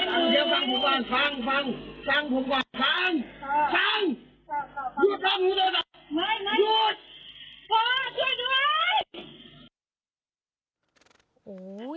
ฟังผมป่ะฟังฟังพร้าวช่วยหน่อย